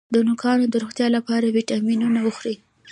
د نوکانو د روغتیا لپاره ویټامینونه وخورئ